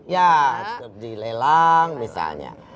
ya dilelang misalnya